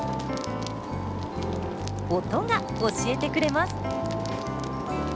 音が教えてくれます。